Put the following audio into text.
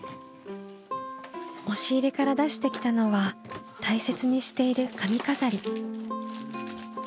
押し入れから出してきたのは大切にしている髪飾り。